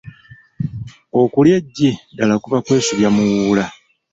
Okulya eggi ddala kuba kwesubya muwuula.